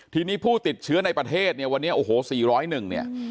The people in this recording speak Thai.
ทีนี้ผู้ติดเชื้อในประเทศเนี่ยวันนี้โอ้โห๔๐๑เนี่ย